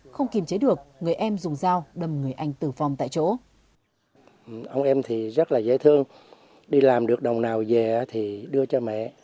không kiềm chế được người em dùng dao đâm người anh tử vong tại chỗ